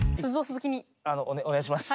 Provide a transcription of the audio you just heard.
あのお願いします。